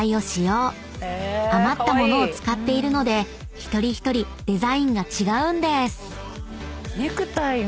［余った物を使っているので一人一人デザインが違うんです］